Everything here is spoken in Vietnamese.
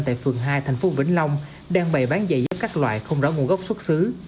tại phường hai thành phố vĩnh long đang bày bán giày dép các loại không rõ nguồn gốc xuất xứ